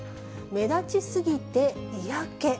目立ちすぎて嫌気。